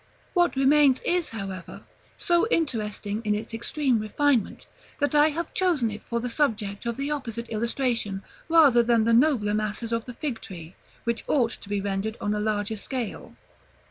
What remains is, however, so interesting in its extreme refinement, that I have chosen it for the subject of the opposite illustration rather than the nobler masses of the fig tree, which ought to be rendered on a larger scale.